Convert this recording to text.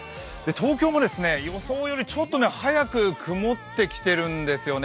東京も予想よりちょっと早く曇ってきてるんですよね。